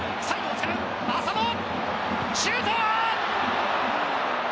浅野、シュート！